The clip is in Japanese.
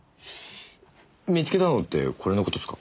見つけたのってこれの事っすか？